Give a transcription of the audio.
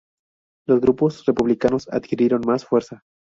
Los grupos republicanos adquirieron más fuerza.